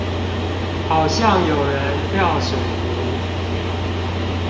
好像有人掉水壺